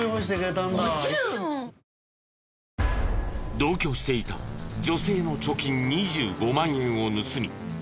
同居していた女性の貯金２５万円を盗み